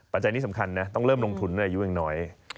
ปัจจัยนี้สำคัญนะต้องเริ่มลงทุนอายุอย่างน้อย